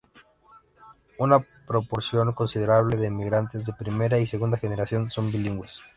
Una proporción considerable de migrantes de primera y segunda generación son bilingües.